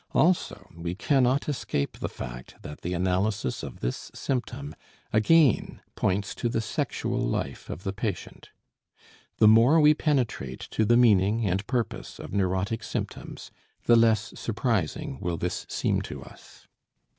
Also we cannot escape the fact that the analysis of this symptom again points to the sexual life of the patient. The more we penetrate to the meaning and purpose of neurotic symptoms, the less surprising will this seem to us.